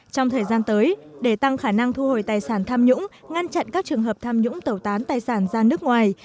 trong thời gian tới để tăng khả năng thu hồi tài sản tham nhũng ngăn chặn các trường hợp tham nhũng tẩu tán tài sản ra nước ngoài